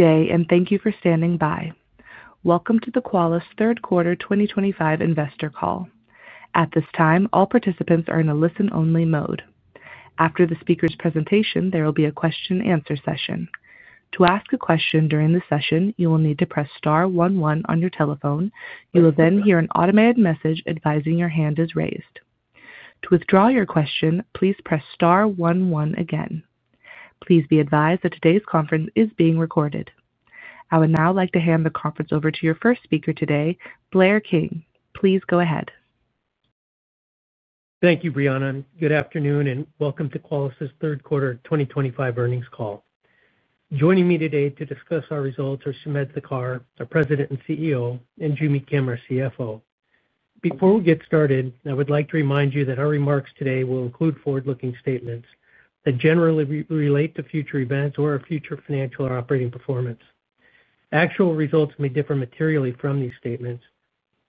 Good day, and thank you for standing by. Welcome to the Qualys third quarter 2025 investor call. At this time, all participants are in a listen-only mode. After the speaker's presentation, there will be a question-and-answer session. To ask a question during the session, you will need to press star 11 on your telephone. You will then hear an automated message advising your hand is raised. To withdraw your question, please press star one oneagain. Please be advised that today's conference is being recorded. I would now like to hand the conference over to your first speaker today, Blair King. Please go ahead. Thank you, Brianna. Good afternoon, and welcome to Qualys's third quarter 2025 earnings call. Joining me today to discuss our results are Sumedh Thakar, our President and CEO, and Joo Mi Kim, our CFO. Before we get started, I would like to remind you that our remarks today will include forward-looking statements that generally relate to future events or our future financial or operating performance. Actual results may differ materially from these statements,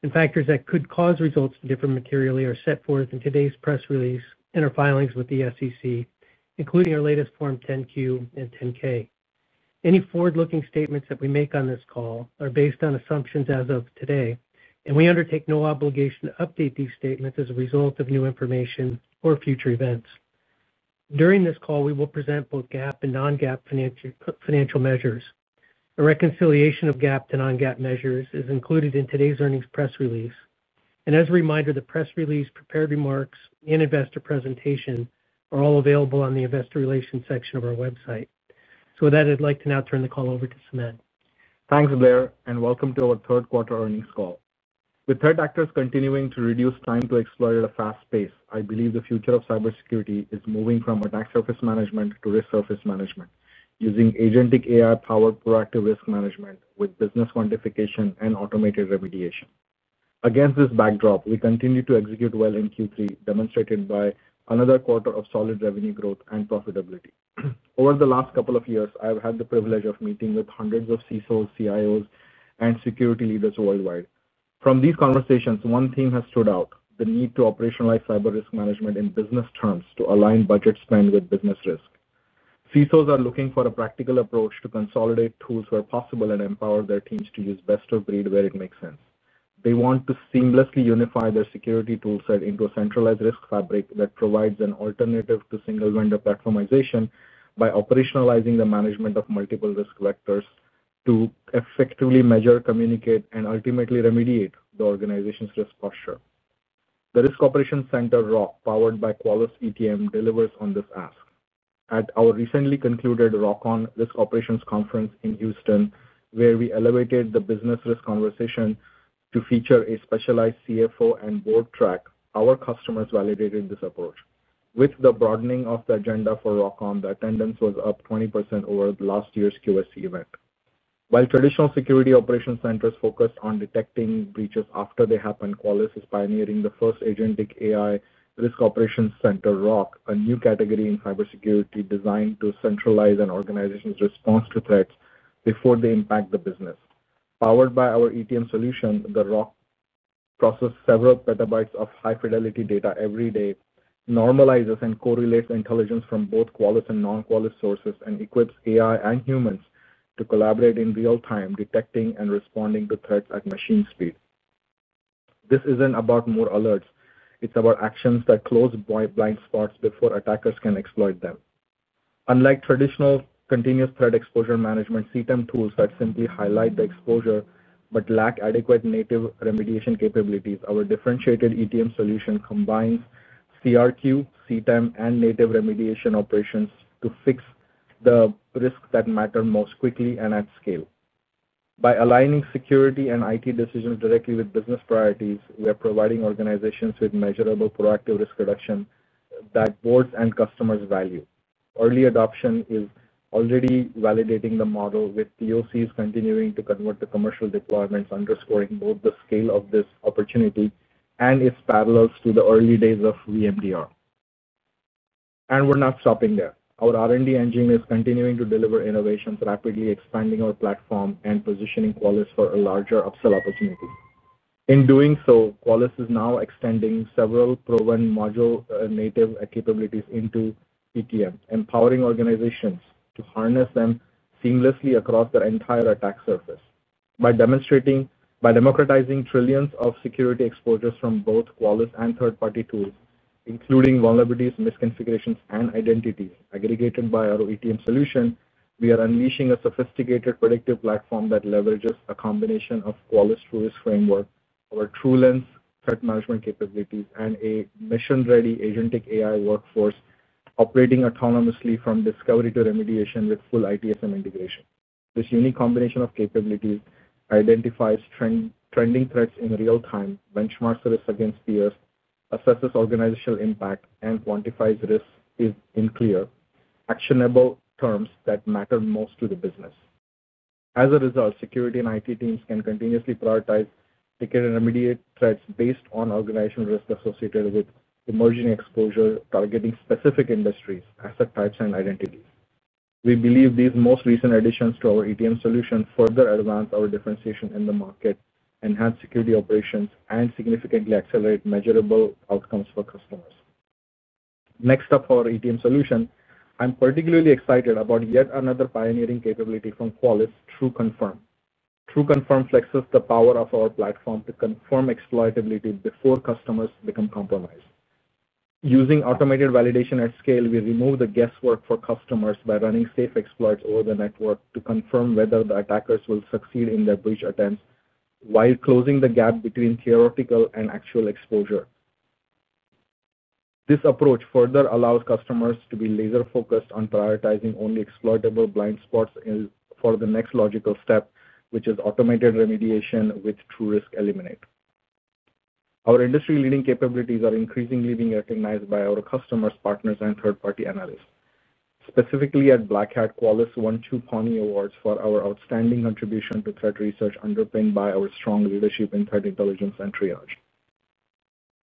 and factors that could cause results to differ materially are set forth in today's press release and our filings with the SEC, including our latest Form 10-Q and 10-K. Any forward-looking statements that we make on this call are based on assumptions as of today, and we undertake no obligation to update these statements as a result of new information or future events. During this call, we will present both GAAP and non-GAAP financial measures. A reconciliation of GAAP to non-GAAP measures is included in today's earnings press release. And as a reminder, the press release, prepared remarks, and investor presentation are all available on the investor relations section of our website. So with that, I'd like to now turn the call over to Sumed. Thanks, Blair, and welcome to our third quarter earnings call. With threat actors continuing to reduce time to exploit at a fast pace, I believe the future of cybersecurity is moving from attack surface management to risk surface management using agentic AI-powered proactive risk management with business quantification and automated remediation. Against this backdrop, we continue to execute well in Q3, demonstrated by another quarter of solid revenue growth and profitability. Over the last couple of years, I have had the privilege of meeting with hundreds of CISOs, CIOs, and security leaders worldwide. From these conversations, one theme has stood out: the need to operationalize cyber risk management in business terms to align budget spend with business risk. CISOs are looking for a practical approach to consolidate tools where possible and empower their teams to use best of breed where it makes sense. They want to seamlessly unify their security toolset into a centralized risk fabric that provides an alternative to single vendor platformization by operationalizing the management of multiple risk vectors to effectively measure, communicate, and ultimately remediate the organization's risk posture. The Risk Operations Center ROC, powered by Qualys ETM, delivers on this ask. At our recently concluded ROCON Risk Operations Conference in Houston, where we elevated the business risk conversation to feature a specialized CFO and board track, our customers validated this approach. With the broadening of the agenda for ROCON, the attendance was up 20% over last year's QSC event. While traditional security operations centers focused on detecting breaches after they happen, Qualys is pioneering the first agentic AI risk operations center ROC, a new category in cybersecurity designed to centralize an organization's response to threats before they impact the business. Powered by our ETM solution, the ROC processes several petabytes of high-fidelity data every day, normalizes and correlates intelligence from both Qualys and non-Qualys sources, and equips AI and humans to collaborate in real time, detecting and responding to threats at machine speed. This isn't about more alerts; it's about actions that close blind spots before attackers can exploit them. Unlike traditional continuous threat exposure management CTEM tools that simply highlight the exposure but lack adequate native remediation capabilities, our differentiated ETM solution combines CRQ, CTEM, and native remediation operations to fix the risks that matter most quickly and at scale. By aligning security and IT decisions directly with business priorities, we are providing organizations with measurable proactive risk reduction that boards and customers value. Early adoption is already validating the model, with POCs continuing to convert to commercial deployments, underscoring both the scale of this opportunity and its parallels to the early days of VMDR. And we're not stopping there. Our R&D engine is continuing to deliver innovations, rapidly expanding our platform and positioning Qualys for a larger upsell opportunity. In doing so, Qualys is now extending several proven modular native capabilities into ETM, empowering organizations to harness them seamlessly across their entire attack surface. By demonstrating, by democratizing trillions of security exposures from both Qualys and third-party tools, including vulnerabilities, misconfigurations, and identities aggregated by our ETM solution, we are unleashing a sophisticated predictive platform that leverages a combination of Qualys through its framework, our TrueLens threat management capabilities, and a mission-ready agentic AI workforce operating autonomously from discovery to remediation with full ITSM integration. This unique combination of capabilities identifies trending threats in real time, benchmarks risks against peers, assesses organizational impact, and quantifies risks in clear, actionable terms that matter most to the business. As a result, security and IT teams can continuously prioritize, ticket, and remediate threats based on organizational risk associated with emerging exposure targeting specific industries, asset types, and identities. We believe these most recent additions to our ETM solution further advance our differentiation in the market, enhance security operations, and significantly accelerate measurable outcomes for customers. Next up for our ETM solution, I'm particularly excited about yet another pioneering capability from Qualys, TrueConfirm. TrueConfirm flexes the power of our platform to confirm exploitability before customers become compromised. Using automated validation at scale, we remove the guesswork for customers by running safe exploits over the network to confirm whether the attackers will succeed in their breach attempts while closing the gap between theoretical and actual exposure. This approach further allows customers to be laser-focused on prioritizing only exploitable blind spots for the next logical step, which is automated remediation with TrueRisk Eliminate. Our industry-leading capabilities are increasingly being recognized by our customers, partners, and third-party analysts. Specifically, at Black Hat, Qualys won two Pwnie Awards for our outstanding contribution to threat research underpinned by our strong leadership in threat intelligence and triage.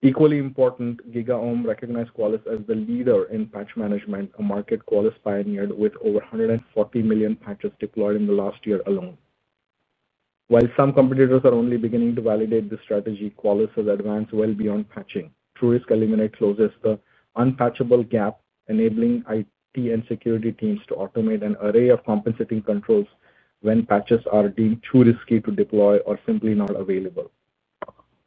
Equally important, GigaOm recognized Qualys as the leader in patch management, a market Qualys pioneered with over 140 million patches deployed in the last year alone. While some competitors are only beginning to validate this strategy, Qualys has advanced well beyond patching. TrueRisk Eliminate closes the unpatchable gap, enabling IT and security teams to automate an array of compensating controls when patches are deemed too risky to deploy or simply not available.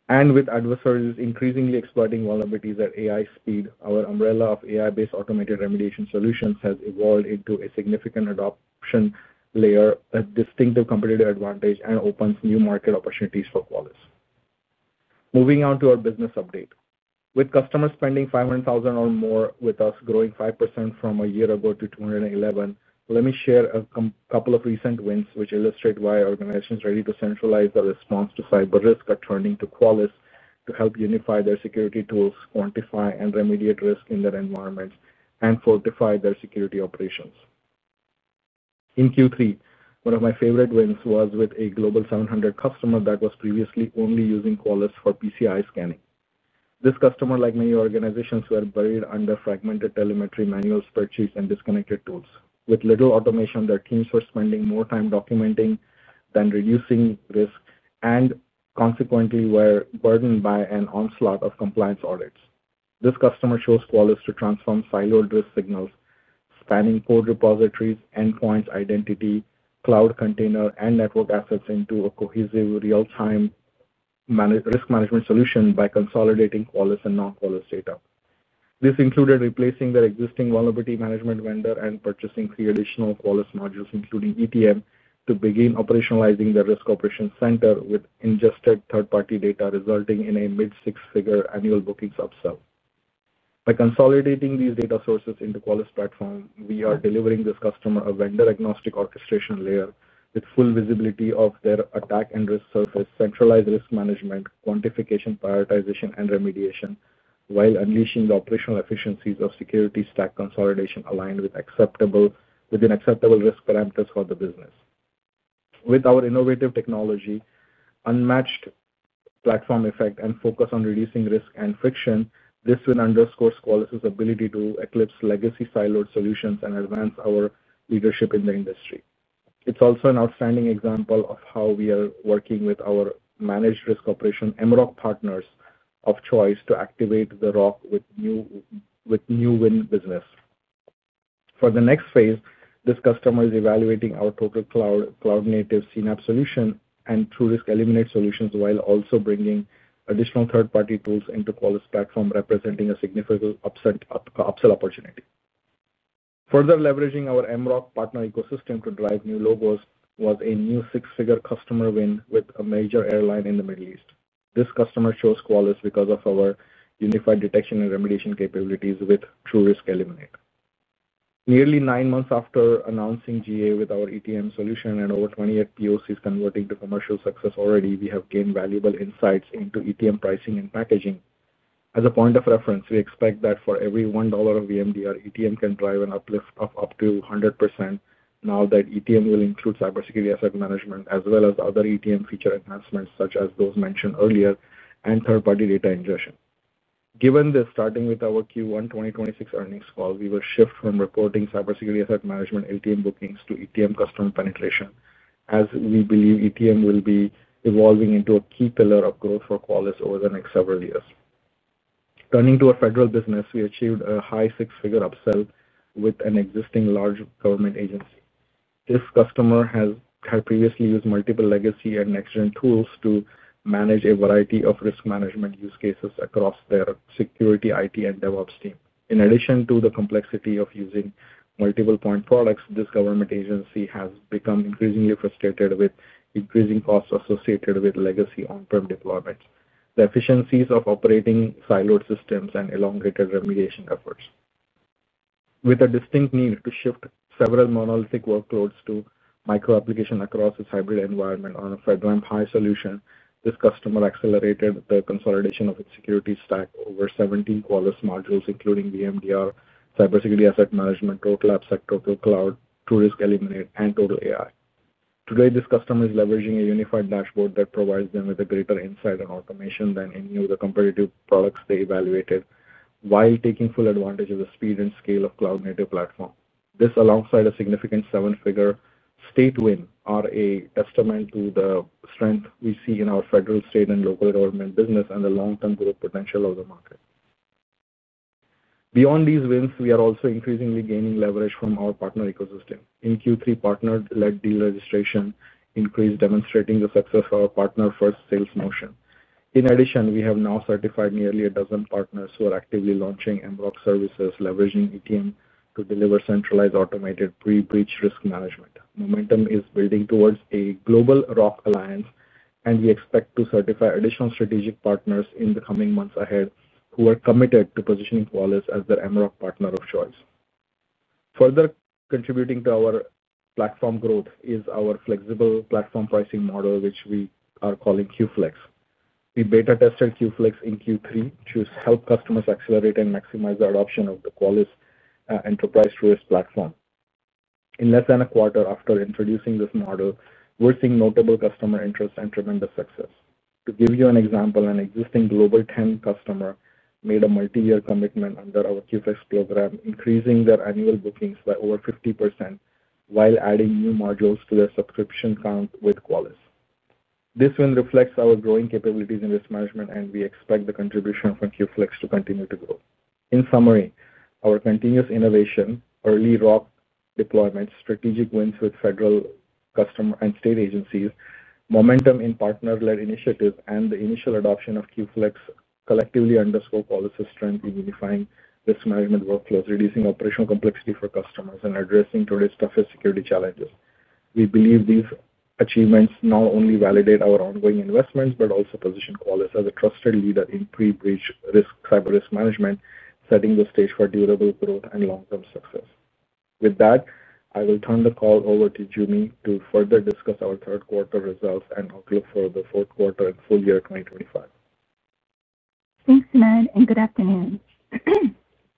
And with adversaries increasingly exploiting vulnerabilities at AI speed, our umbrella of AI-based automated remediation solutions has evolved into a significant adoption layer, a distinctive competitive advantage, and opens new market opportunities for Qualys. Moving on to our business update. With customers spending $500,000 or more with us, growing 5% from a year ago to 211, let me share a couple of recent wins which illustrate why our organization is ready to centralize the response to cyber risk at turning to Qualys to help unify their security tools, quantify and remediate risk in their environments, and fortify their security operations. In Q3, one of my favorite wins was with a global 700 customer that was previously only using Qualys for PCI scanning. This customer, like many organizations, were buried under fragmented telemetry manual spreadsheets and disconnected tools. With little automation, their teams were spending more time documenting than reducing risk and, consequently, were burdened by an onslaught of compliance audits. This customer chose Qualys to transform siloed risk signals, spanning code repositories, endpoints, identity, cloud, container, and network assets into a cohesive real-time risk management solution by consolidating Qualys and non-Qualys data. This included replacing their existing vulnerability management vendor and purchasing three additional Qualys modules, including ETM, to begin operationalizing their risk operations center with ingested third-party data, resulting in a mid-six-figure annual bookings upsell. By consolidating these data sources into Qualys platform, we are delivering this customer a vendor-agnostic orchestration layer with full visibility of their attack and risk surface, centralized risk management, quantification, prioritization, and remediation, while unleashing the operational efficiencies of security stack consolidation aligned with acceptable risk parameters for the business. With our innovative technology, unmatched platform effect, and focus on reducing risk and friction, this underscores Qualys's ability to eclipse legacy siloed solutions and advance our leadership in the industry. It's also an outstanding example of how we are working with our managed risk operation MROC partners of choice to activate the ROC with new win business. For the next phase, this customer is evaluating our TotalCloud CNAPP solution and TrueRisk Eliminate solutions while also bringing additional third-party tools into Qualys platform, representing a significant upsell opportunity. Further leveraging our MROC partner ecosystem to drive new logos was a new six-figure customer win with a major airline in the Middle East. This customer chose Qualys because of our unified detection and remediation capabilities with TrueRisk Eliminate. Nearly nine months after announcing GA with our ETM solution and over 28 POCs converting to commercial success already, we have gained valuable insights into ETM pricing and packaging. As a point of reference, we expect that for every $1 of VMDR, ETM can drive an uplift of up to 100% now that ETM will include Cybersecurity Asset Management as well as other ETM feature enhancements such as those mentioned earlier and third-party data ingestion. Given this, starting with our Q1 2026 earnings call, we will shift from reporting Cybersecurity Asset Management LTM bookings to ETM customer penetration, as we believe ETM will be evolving into a key pillar of growth for Qualys over the next several years. Turning to our federal business, we achieved a high six-figure upsell with an existing large government agency. This customer had previously used multiple legacy and next-gen tools to manage a variety of risk management use cases across their security IT and DevOps team. In addition to the complexity of using multiple point products, this government agency has become increasingly frustrated with increasing costs associated with legacy on-prem deployments, the inefficiencies of operating siloed systems, and elongated remediation efforts. With a distinct need to shift several monolithic workloads to micro-application across its hybrid environment on a FedRAMP High solution, this customer accelerated the consolidation of its security stack over 17 Qualys modules, including VMDR, Cybersecurity Asset Management, Total AppSec, TotalCloud, TrueRisk Eliminate, and TotalAI. Today, this customer is leveraging a unified dashboard that provides them with a greater insight and automation than any of the competitive products they evaluated, while taking full advantage of the speed and scale of the cloud-native platform. This, alongside a significant seven-figure state win, is a testament to the strength we see in our federal, state, and local government business and the long-term growth potential of the market. Beyond these wins, we are also increasingly gaining leverage from our partner ecosystem. In Q3, partner-led deal registration increased, demonstrating the success of our partner-first sales motion. In addition, we have now certified nearly a dozen partners who are actively launching MROC services, leveraging ETM to deliver centralized automated pre-breach risk management. Momentum is building towards a global ROC alliance, and we expect to certify additional strategic partners in the coming months ahead who are committed to positioning Qualys as their MROC partner of choice. Further contributing to our platform growth is our flexible platform pricing model, which we are calling QFlex. We beta-tested QFlex in Q3 to help customers accelerate and maximize the adoption of the Qualys Enterprise TruRisk Platform. In less than a quarter after introducing this model, we're seeing notable customer interest and tremendous success. To give you an example, an existing Global 10 customer made a multi-year commitment under our QFlex program, increasing their annual bookings by over 50% while adding new modules to their subscription count with Qualys. This win reflects our growing capabilities in risk management, and we expect the contribution from QFlex to continue to grow. In summary, our continuous innovation, early ROC deployments, strategic wins with federal customer and state agencies, momentum in partner-led initiatives, and the initial adoption of QFlex collectively underscore Qualys's strength in unifying risk management workflows, reducing operational complexity for customers, and addressing today's toughest security challenges. We believe these achievements not only validate our ongoing investments but also position Qualys as a trusted leader in pre-breach risk cyber risk management, setting the stage for durable growth and long-term success. With that, I will turn the call over to Joo Mi to further discuss our third-quarter results and outlook for the fourth quarter and full year 2025. Thanks, Sumedh, and good afternoon.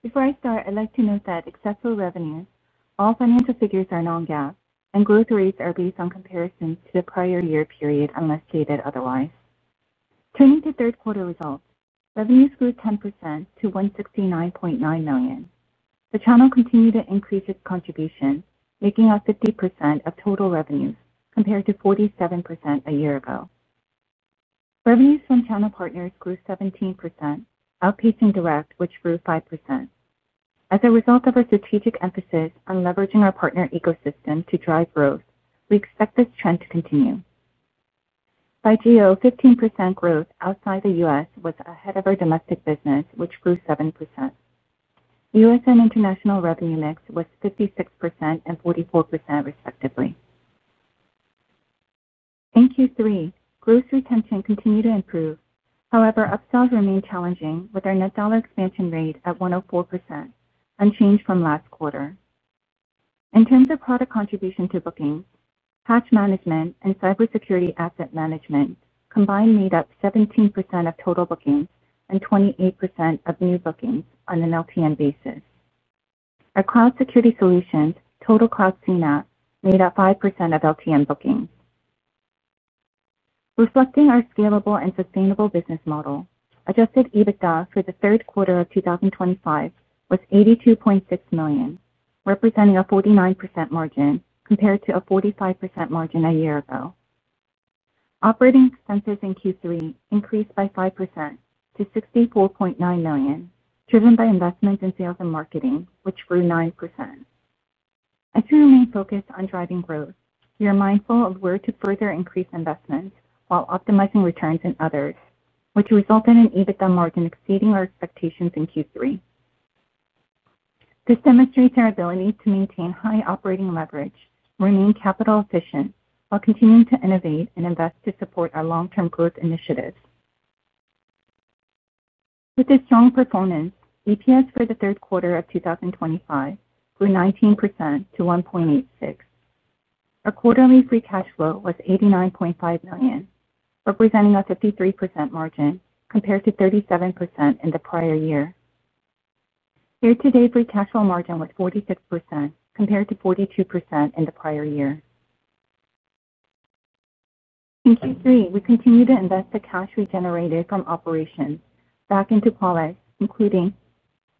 Before I start, I'd like to note that, except for revenue, all financial figures are non-GAAP, and growth rates are based on comparison to the prior year period unless stated otherwise. Turning to third-quarter results, revenues grew 10% to $169.9 million. The channel continued to increase its contribution, making up 50% of total revenues compared to 47% a year ago. Revenues from channel partners grew 17%, outpacing direct, which grew 5%. As a result of our strategic emphasis on leveraging our partner ecosystem to drive growth, we expect this trend to continue. By GEO, 15% growth outside the US was ahead of our domestic business, which grew 7%. US and international revenue mix was 56% and 44%, respectively. In Q3, gross retention continued to improve. However, upsells remained challenging with our net dollar retention rate at 104%, unchanged from last quarter. In terms of product contribution to bookings, Patch Management and Cybersecurity Asset Management combined made up 17% of total bookings and 28% of new bookings on an LTM basis. Our cloud security solutions, TotalCloud CNAPP, made up 5% of LTM bookings. Reflecting our scalable and sustainable business model, adjusted EBITDA for the third quarter of 2025 was $82.6 million, representing a 49% margin compared to a 45% margin a year ago. Operating expenses in Q3 increased by 5% to $64.9 million, driven by investments in sales and marketing, which grew 9%. As we remain focused on driving growth, we are mindful of where to further increase investments while optimizing returns in others, which resulted in an EBITDA margin exceeding our expectations in Q3. This demonstrates our ability to maintain high operating leverage, remain capital-efficient, while continuing to innovate and invest to support our long-term growth initiatives. With this strong performance, EPS for the third quarter of 2025 grew 19% to $1.86. Our quarterly free cash flow was $89.5 million, representing a 53% margin compared to 37% in the prior year. Year-to-date free cash flow margin was 46% compared to 42% in the prior year. In Q3, we continued to invest the cash we generated from operations back into Qualys, including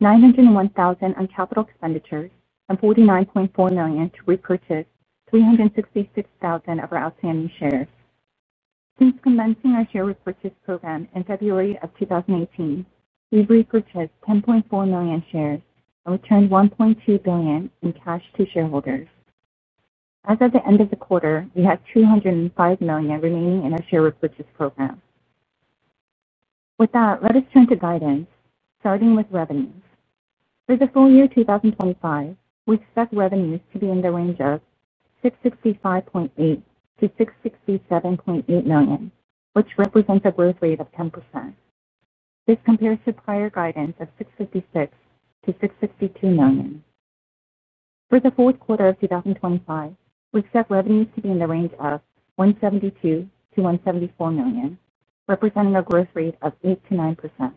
$901,000 on capital expenditures and $49.4 million to repurchase 366,000 of our outstanding shares. Since commencing our share repurchase program in February of 2018, we've repurchased 10.4 million shares and returned $1.2 billion in cash to shareholders. As of the end of the quarter, we had $205 million remaining in our share repurchase program. With that, let us turn to guidance, starting with revenues. For the full year 2025, we expect revenues to be in the range of $665.8 million-$667.8 million, which represents a growth rate of 10%. This compares to prior guidance of $656 million-$662 million. For the fourth quarter of 2025, we expect revenues to be in the range of $172 million-$174 million, representing a growth rate of 8%-9%.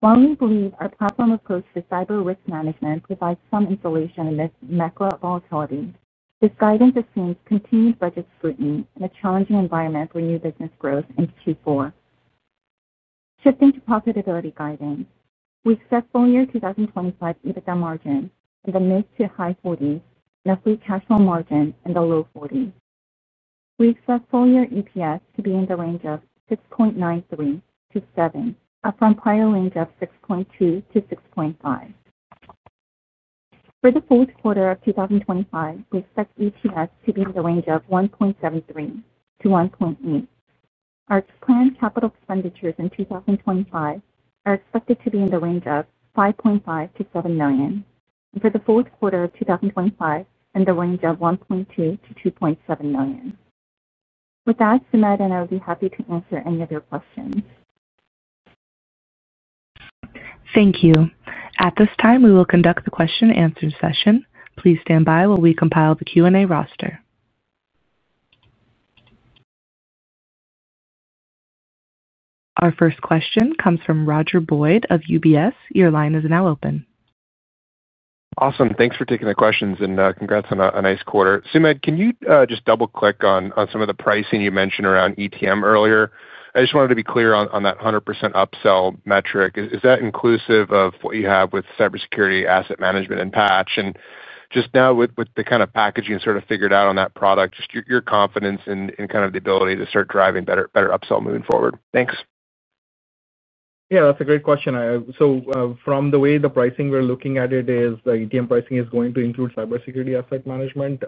While we believe our platform approach to cyber risk management provides some insulation amidst macro volatility, this guidance assumes continued budget scrutiny in a challenging environment for new business growth in Q4. Shifting to profitability guidance, we expect full year 2025 EBITDA margin in the mid to high 40s, and a free cash flow margin in the low 40s. We expect full year EPS to be in the range of $6.93-$7, up from prior range of $6.2-$6.5. For the fourth quarter of 2025, we expect EPS to be in the range of $1.73-$1.80. Our planned capital expenditures in 2025 are expected to be in the range of $5.5-$7 million, and for the fourth quarter of 2025, in the range of $1.2-$2.7 million. With that, Sumedh and I would be happy to answer any of your questions. Thank you. At this time, we will conduct the question-and-answer session. Please stand by while we compile the Q&A roster. Our first question comes from Roger Boyd of UBS. Your line is now open. Awesome. Thanks for taking the questions and congrats on a nice quarter. Sumedh, can you just double-click on some of the pricing you mentioned around ETM earlier? I just wanted to be clear on that 100% upsell metric. Is that inclusive of what you have with Cybersecurity Asset Management and patch? And just now, with the kind of packaging sort of figured out on that product, just your confidence in kind of the ability to start driving better upsell moving forward? Thanks. Yeah, that's a great question. So, from the way the pricing, we're looking at it is the ETM pricing is going to include Cybersecurity Asset Management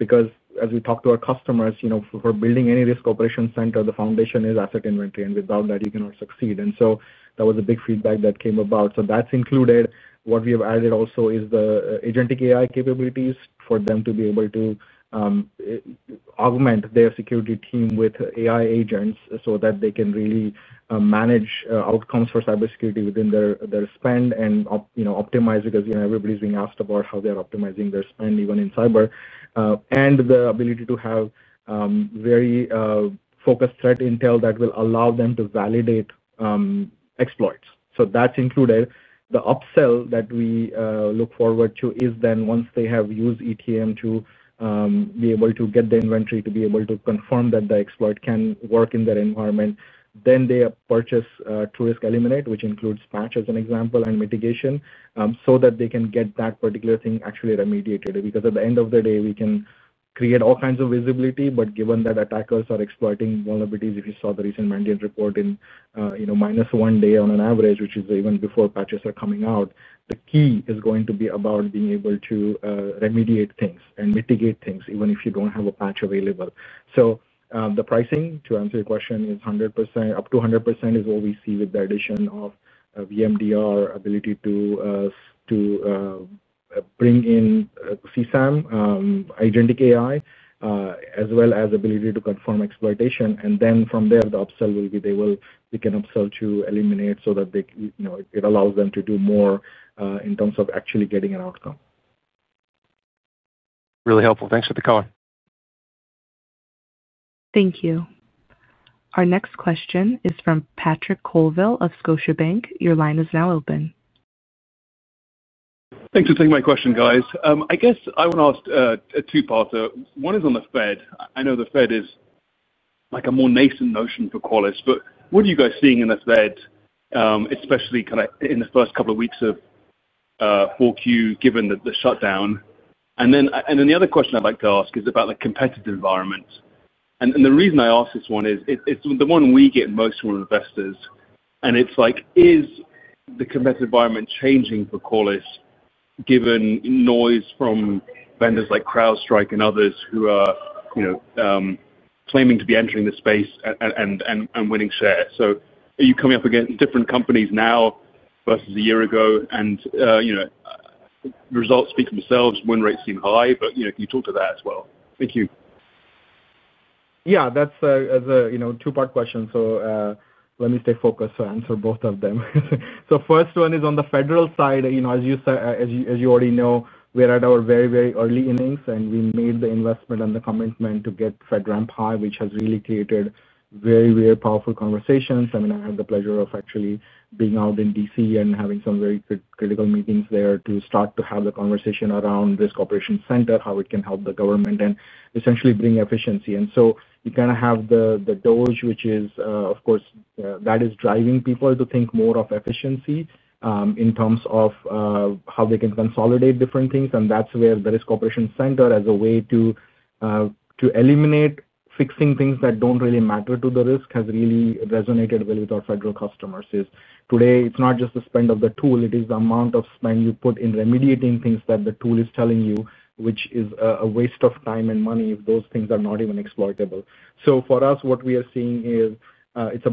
because, as we talk to our customers, for building any Risk Operation Center, the foundation is asset inventory, and without that, you cannot succeed. And so that was a big feedback that came about. So that's included. What we have added also is the agentic AI capabilities for them to be able to augment their security team with AI agents so that they can really manage outcomes for cybersecurity within their spend and optimize because everybody's being asked about how they're optimizing their spend, even in cyber. And the ability to have very focused threat intel that will allow them to validate exploits. So that's included. The upsell that we look forward to is then once they have used ETM to be able to get the inventory to be able to confirm that the exploit can work in their environment, then they purchase TrueRisk Eliminate, which includes patch as an example and mitigation, so that they can get that particular thing actually remediated. Because at the end of the day, we can create all kinds of visibility, but given that attackers are exploiting vulnerabilities, if you saw the recent Mandiant report in minus one day on an average, which is even before patches are coming out, the key is going to be about being able to remediate things and mitigate things even if you don't have a patch available. So the pricing, to answer your question, is 100%. Up to 100% is what we see with the addition of VMDR ability to bring in CSAM, agentic AI, as well as ability to confirm exploitation. And then from there, the upsell will be they can upsell to eliminate so that it allows them to do more in terms of actually getting an outcome. Really helpful. Thanks for the call. Thank you. Our next question is from Patrick Colville of Scotiabank. Your line is now open. Thanks for taking my question, guys. I guess I want to ask two parts. One is on the Fed. I know the Fed is a more nascent notion for Qualys, but what are you guys seeing in the Fed, especially kind of in the first couple of weeks of 4Q, given the shutdown? And then the other question I'd like to ask is about the competitive environment. And the reason I ask this one is it's the one we get most from investors. And it's like, is the competitive environment changing for Qualys given noise from vendors like CrowdStrike and others who are claiming to be entering the space and winning shares? So are you coming up against different companies now versus a year ago? And results speak for themselves, win rates seem high, but can you talk to that as well? Thank you. Yeah, that's a two-part question. So let me stay focused to answer both of them. So first one is on the federal side. As you already know, we're at our very, very early innings, and we made the investment and the commitment to get FedRAMP High, which has really created very, very powerful conversations. I mean, I had the pleasure of actually being out in DC and having some very critical meetings there to start to have the conversation around Risk Operations Center, how it can help the government and essentially bring efficiency. And so you kind of have the DOGE, which is, of course, that is driving people to think more of efficiency in terms of how they can consolidate different things. And that's where the Risk Operations Center, as a way to eliminate fixing things that don't really matter to the risk, has really resonated well with our federal customers. Today, it's not just the spend of the tool; it is the amount of spend you put in remediating things that the tool is telling you, which is a waste of time and money if those things are not even exploitable. So for us, what we are seeing is it's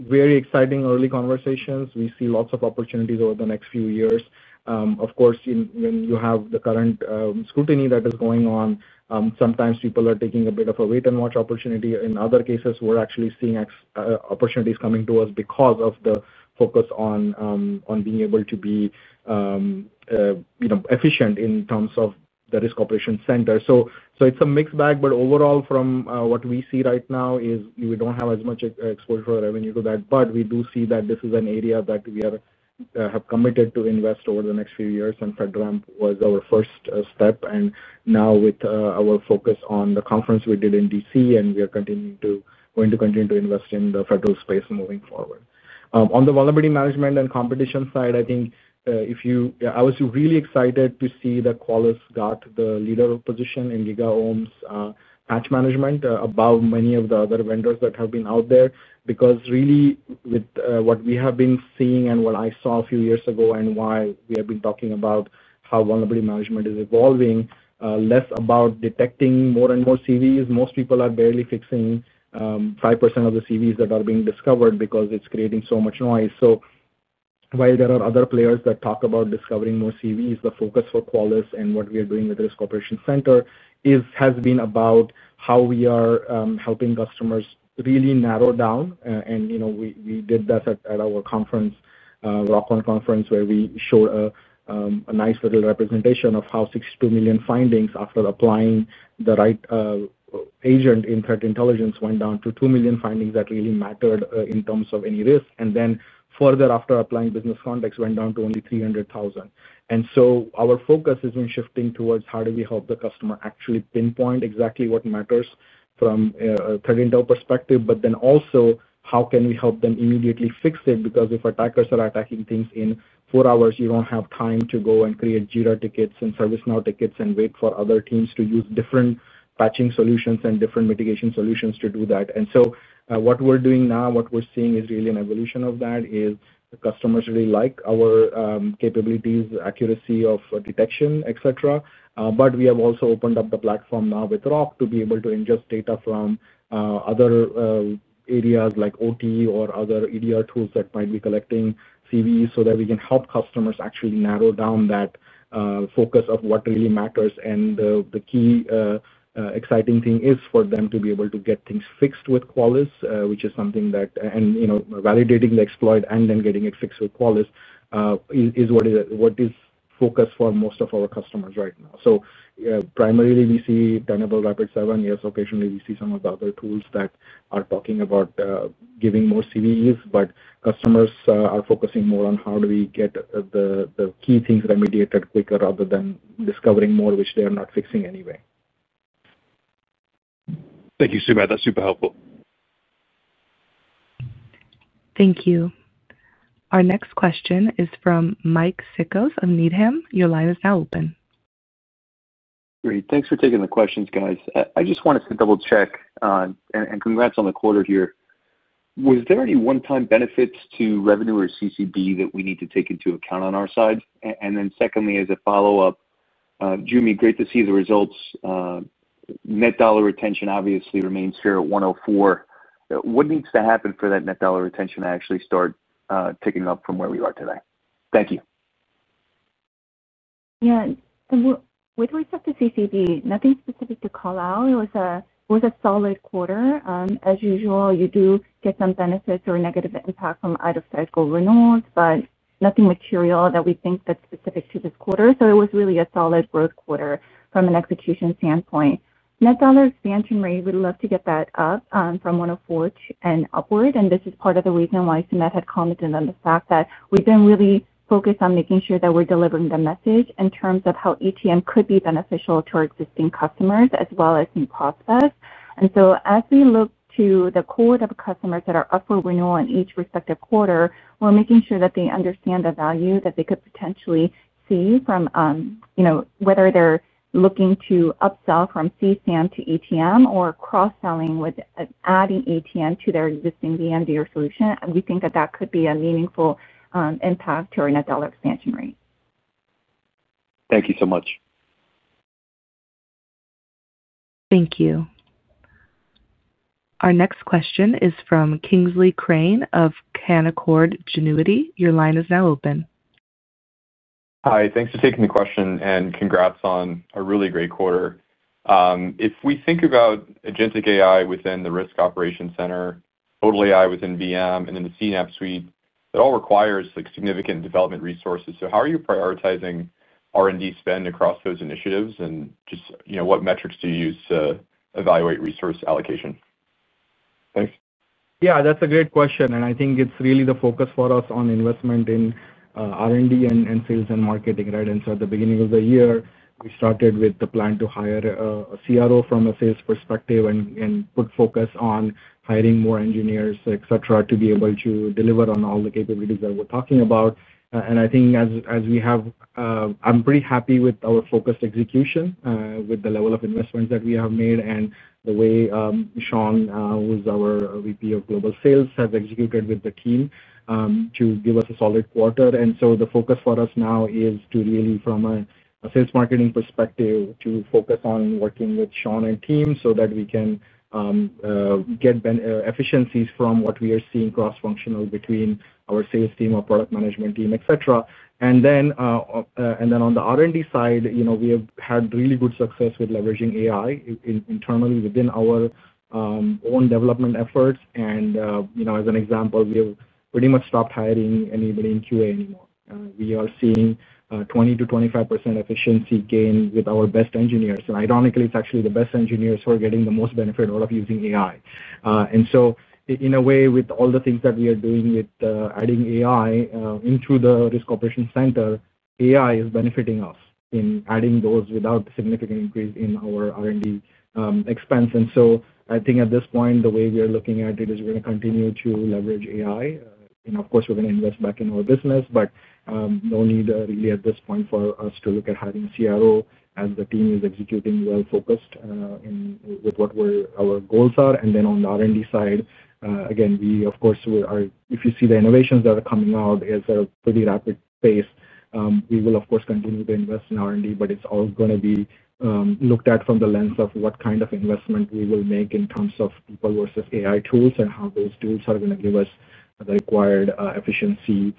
very exciting early conversations. We see lots of opportunities over the next few years. Of course, when you have the current scrutiny that is going on, sometimes people are taking a bit of a wait-and-watch opportunity. In other cases, we're actually seeing opportunities coming to us because of the focus on being able to be efficient in terms of the Risk Operations Center. So it's a mixed bag, but overall, from what we see right now, we don't have as much exposure for revenue to that. But we do see that this is an area that we have committed to invest over the next few years, and FedRAMP was our first step. And now, with our focus on the conference we did in DC, we are going to continue to invest in the federal space moving forward. On the vulnerability management and competition side, I think I was really excited to see that Qualys got the leader position in GigaOm's patch management above many of the other vendors that have been out there. Because really, with what we have been seeing and what I saw a few years ago and why we have been talking about how vulnerability management is evolving, less about detecting more and more CVEs. Most people are barely fixing 5% of the CVEs that are being discovered because it's creating so much noise. So while there are other players that talk about discovering more CVEs, the focus for Qualys and what we are doing with the Risk Operation Center has been about how we are helping customers really narrow down. And we did that at our conference. ROCON Conference, where we showed a nice little representation of how 62 million findings after applying the right agent and threat intelligence went down to 2 million findings that really mattered in terms of any risk. And then further, after applying business context, went down to only 300,000. And so our focus has been shifting towards how do we help the customer actually pinpoint exactly what matters from a threat intel perspective, but then also how can we help them immediately fix it? Because if attackers are attacking things in four hours, you don't have time to go and create Jira tickets and ServiceNow tickets and wait for other teams to use different patching solutions and different mitigation solutions to do that. And so what we're doing now, what we're seeing is really an evolution of that is customers really like our capabilities, accuracy of detection, etc. But we have also opened up the platform now with ROC to be able to ingest data from other areas like OT or other EDR tools that might be collecting CVEs so that we can help customers actually narrow down that focus of what really matters. And the key exciting thing is for them to be able to get things fixed with Qualys, which is something that—and validating the exploit and then getting it fixed with Qualys is what is focused for most of our customers right now. So primarily, we see Tenable, Rapid7. Yes, occasionally we see some of the other tools that are talking about giving more CVEs, but customers are focusing more on how do we get the key things remediated quicker rather than discovering more, which they are not fixing anyway. Thank you, Sumedh. That's super helpful. Thank you. Our next question is from Mike Sickles of Needham. Your line is now open. Great. Thanks for taking the questions, guys. I just wanted to double-check. And congrats on the quarter here. Was there any one-time benefits to revenue or CCB that we need to take into account on our side? And then secondly, as a follow-up. Joo Mi, great to see the results. Net dollar retention obviously remains here at 104%. What needs to happen for that net dollar retention to actually start ticking up from where we are today? Thank you. Yeah. With respect to CCB, nothing specific to call out. It was a solid quarter. As usual, you do get some benefits or negative impact from either Fed or Renault, but nothing material that we think that's specific to this quarter. So it was really a solid growth quarter from an execution standpoint. Net dollar expansion rate, we'd love to get that up from 104% and upward. And this is part of the reason why Sumedh had commented on the fact that we've been really focused on making sure that we're delivering the message in terms of how ETM could be beneficial to our existing customers as well as new prospects. And so as we look to the quarter of customers that are up for renewal in each respective quarter, we're making sure that they understand the value that they could potentially see from. Whether they're looking to upsell from CSAM to ETM or cross-selling with adding ETM to their existing VMDR solution. We think that that could be a meaningful impact to our net dollar expansion rate. Thank you so much. Thank you. Our next question is from Kingsley Crane of Canaccord Genuity. Your line is now open. Hi. Thanks for taking the question, and congrats on a really great quarter. If we think about agentic AI within the Risk Operation Center, TotalAI within VM, and then the CNAPP suite, that all requires significant development resources. So how are you prioritizing R&D spend across those initiatives, and just what metrics do you use to evaluate resource allocation? Thanks. Yeah, that's a great question. And I think it's really the focus for us on investment in R&D and sales and marketing, right? And so at the beginning of the year, we started with the plan to hire a CRO from a sales perspective and put focus on hiring more engineers, etc., to be able to deliver on all the capabilities that we're talking about. And I think as we have, I'm pretty happy with our focused execution, with the level of investments that we have made, and the way Sean, who is our VP of Global Sales, has executed with the team to give us a solid quarter. And so the focus for us now is to really, from a sales marketing perspective, to focus on working with Sean and team so that we can. Get efficiencies from what we are seeing cross-functional between our sales team or product management team, etc. And then. On the R&D side, we have had really good success with leveraging AI internally within our. Own development efforts. And as an example, we have pretty much stopped hiring anybody in QA anymore. We are seeing 20%-25% efficiency gain with our best engineers. And ironically, it's actually the best engineers who are getting the most benefit out of using AI. And so in a way, with all the things that we are doing with adding AI into the Risk Operations Center, AI is benefiting us in adding those without significant increase in our R&D expense. And so I think at this point, the way we are looking at it is we're going to continue to leverage AI. And of course, we're going to invest back in our business, but no need really at this point for us to look at hiring CRO as the team is executing well focused with what our goals are. And then on the R&D side, again, we, of course, if you see the innovations that are coming out at a pretty rapid pace, we will, of course, continue to invest in R&D, but it's all going to be looked at from the lens of what kind of investment we will make in terms of people versus AI tools and how those tools are going to give us the required efficiency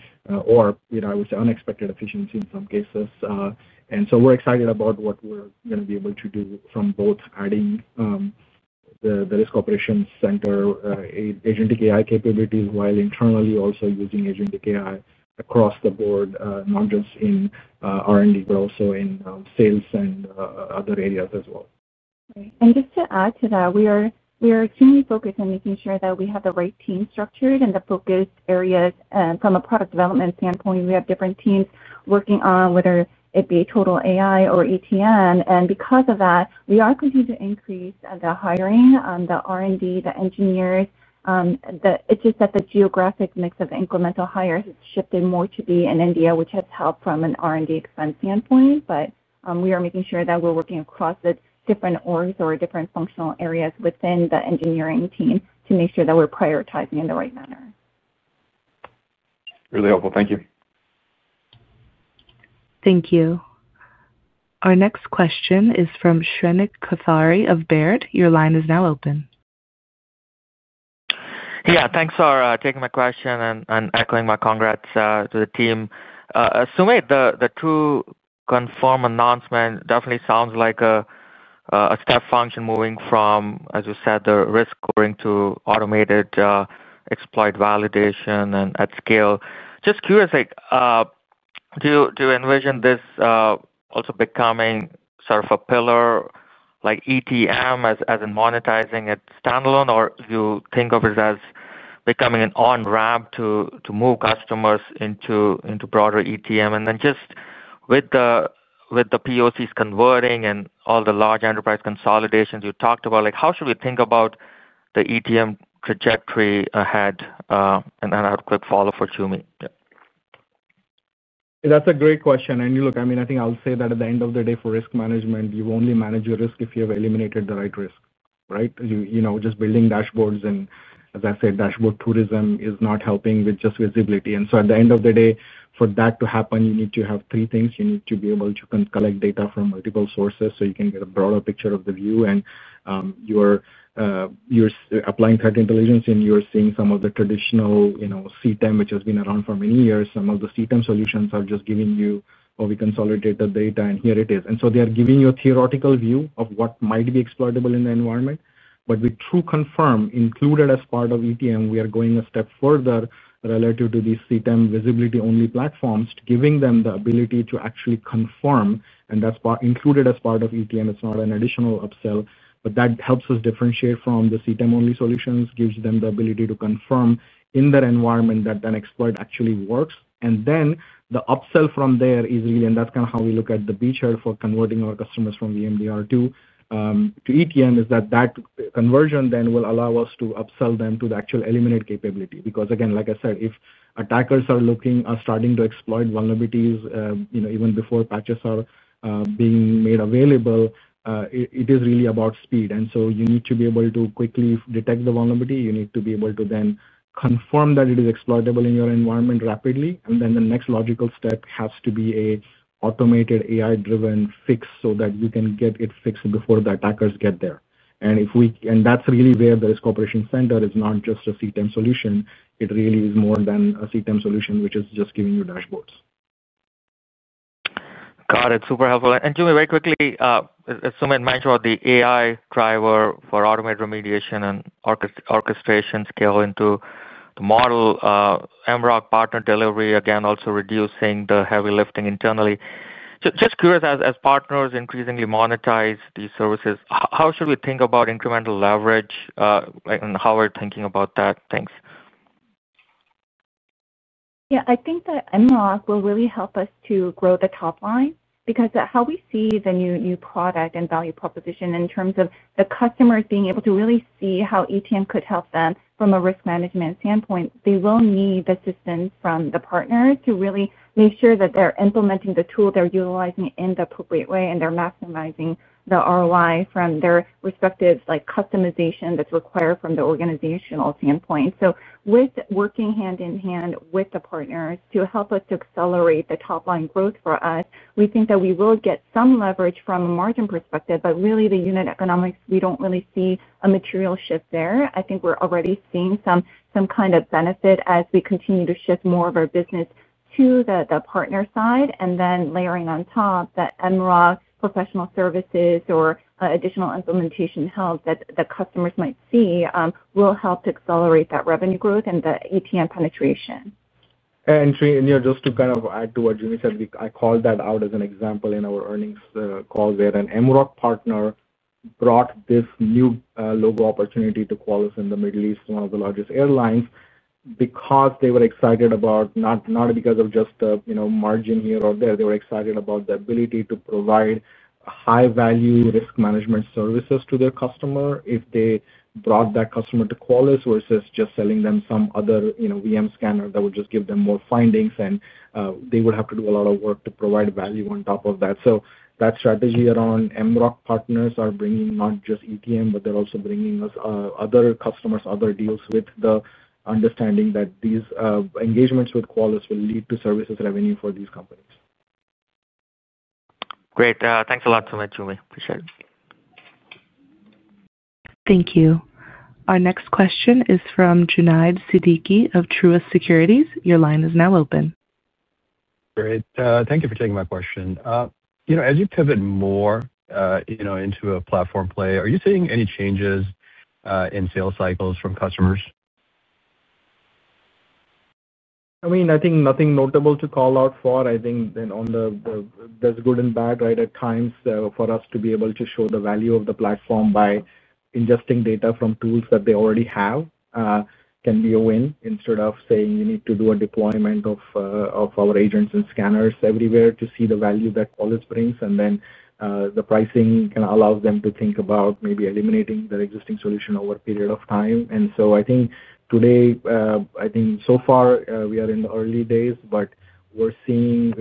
or, I would say, unexpected efficiency in some cases. And so we're excited about what we're going to be able to do from both adding the Risk Operations Center agentic AI capabilities while internally also using agentic AI across the board, not just in R&D, but also in sales and other areas as well. And just to add to that, we are extremely focused on making sure that we have the right team structured and the focused areas. From a product development standpoint, we have different teams working on whether it be TotalAI or ETM. And because of that, we are continuing to increase the hiring, the R&D, the engineers. It's just that the geographic mix of incremental hires has shifted more to be in India, which has helped from an R&D expense standpoint. But we are making sure that we're working across the different orgs or different functional areas within the engineering team to make sure that we're prioritizing in the right manner. Really helpful. Thank you. Thank you. Our next question is from Shrenik Kothari of Baird. Your line is now open. Yeah. Thanks for taking my question and echoing my congrats to the team. Sumedh, the two TrueConfirm announcements definitely sound like a step function moving from, as you said, the risk going to automated exploit validation and at scale. Just curious. Do you envision this also becoming sort of a pillar like ETM as in monetizing it standalone, or do you think of it as becoming an on-ramp to move customers into broader ETM? And then just with the POCs converting and all the large enterprise consolidations you talked about, how should we think about the ETM trajectory ahead? And I'll quick follow for Joo Mi. That's a great question. And look, I mean, I think I'll say that at the end of the day, for risk management, you only manage your risk if you have eliminated the right risk, right? Just building dashboards and, as I said, dashboard tourism is not helping with just visibility. And so at the end of the day, for that to happen, you need to have three things. You need to be able to collect data from multiple sources so you can get a broader picture of the view. And you're applying threat intelligence, and you're seeing some of the traditional CTEM, which has been around for many years. Some of the CTEM solutions are just giving you, "Oh, we consolidated the data, and here it is." And so they are giving you a theoretical view of what might be exploitable in the environment. But we TrueConfirm, included as part of ETM, we are going a step further relative to these CTEM visibility-only platforms, giving them the ability to actually confirm. And that's included as part of ETM. It's not an additional upsell, but that helps us differentiate from the CTEM-only solutions, gives them the ability to confirm in their environment that an exploit actually works. And then the upsell from there is really, and that's kind of how we look at the beachhead for converting our customers from VMDR to ETM, is that that conversion then will allow us to upsell them to the actual eliminate capability. Because again, like I said, if attackers are looking at starting to exploit vulnerabilities even before patches are being made available. It is really about speed. And so you need to be able to quickly detect the vulnerability. You need to be able to then confirm that it is exploitable in your environment rapidly. And then the next logical step has to be an automated AI-driven fix so that you can get it fixed before the attackers get there. And that's really where the Risk Operations Center is not just a CTEM solution. It really is more than a CTEM solution, which is just giving you dashboards. Got it. Super helpful. And Joo Mi, very quickly, Sumedh mentioned the AI driver for automated remediation and orchestration scale into the model, ROC partner delivery, again, also reducing the heavy lifting internally. Just curious, as partners increasingly monetize these services, how should we think about incremental leverage. And how are we thinking about that? Thanks. Yeah. I think that ROC will really help us to grow the top line because how we see the new product and value proposition in terms of the customers being able to really see how ETM could help them from a risk management standpoint, they will need assistance from the partners to really make sure that they're implementing the tool they're utilizing in the appropriate way and they're maximizing the ROI from their respective customization that's required from the organizational standpoint. So with working hand in hand with the partners to help us to accelerate the top line growth for us, we think that we will get some leverage from a margin perspective, but really the unit economics, we don't really see a material shift there. I think we're already seeing some kind of benefit as we continue to shift more of our business to the partner side. And then layering on top that ROC professional services or additional implementation help that the customers might see will help to accelerate that revenue growth and the ETM penetration. And just to kind of add to what Joo Mi said, I called that out as an example in our earnings call there. An ROC partner brought this new logo opportunity to Qualys in the Middle East, one of the largest airlines, because they were excited about not because of just the margin here or there. They were excited about the ability to provide high-value risk management services to their customer if they brought that customer to Qualys versus just selling them some other VM scanner that would just give them more findings. And they would have to do a lot of work to provide value on top of that. So that strategy around ROC partners are bringing not just ETM, but they're also bringing us other customers, other deals with the understanding that these engagements with Qualys will lead to services revenue for these companies. Great. Thanks a lot, Sumedh. Joo Mi, appreciate it. Thank you. Our next question is from Junaid Siddiqui of Truist Securities. Your line is now open. Great.Thank you for taking my question. As you pivot more into a platform play, are you seeing any changes in sales cycles from customers? I mean, I think nothing notable to call out for. I think on the good and bad, right, at times for us to be able to show the value of the platform by ingesting data from tools that they already have. Can be a win instead of saying you need to do a deployment of our agents and scanners everywhere to see the value that Qualys brings. And then the pricing can allow them to think about maybe eliminating the existing solution over a period of time. And so I think today, I think so far, we are in the early days, but we're seeing,